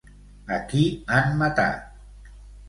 A qui han matat?